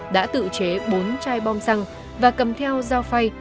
đã tự chế bốn chai bom xăng và cầm theo dao phay